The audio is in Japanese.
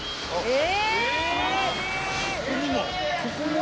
え？